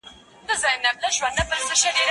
زه مخکي کتاب ليکلی و!.